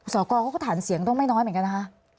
กรเขาก็ฐานเสียงต้องไม่น้อยเหมือนกันนะคะ